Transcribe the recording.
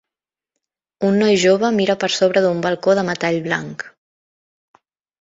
Un noi jove mira per sobre d'un balcó de metall blanc.